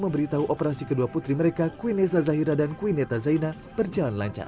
memberitahu operasi kedua putri mereka queen eza zahira dan queen eta zaina berjalan lancar